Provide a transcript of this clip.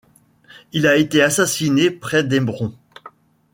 Il a été assassiné près d'Hébron.